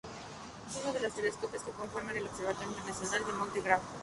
Es uno de los telescopios que conforman el Observatorio Internacional del Monte Graham.